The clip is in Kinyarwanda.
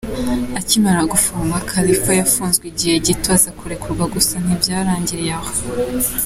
Akimara gufatwa, Khalifa yafunzwe igihe gito aza kurekurwa gusa ntibyarangiriye aho.